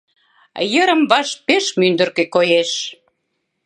Йырым-ваш пеш мӱндыркӧ коеш.